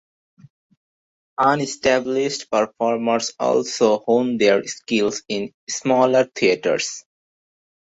Unestablished performers also hone their skills in smaller theaters.